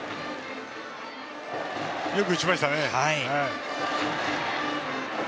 よく打ちましたね。